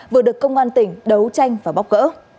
vừa được công an tỉnh đấu tranh và bóc gỡ